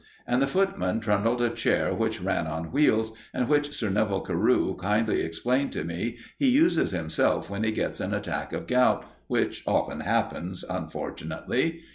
And the footman trundled a chair which ran on wheels, and which Sir Neville Carew kindly explained to me he uses himself when he gets an attack of gout, which often happens, unfortunately.